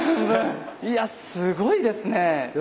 いやすごいですね。